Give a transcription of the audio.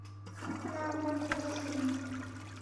না, আমার কথা শুনুন।